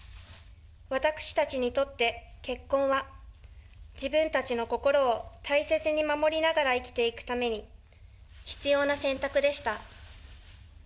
私たちにとって結婚は、自分たちの心を大切に守りながら生きていくために、必要な選択でした。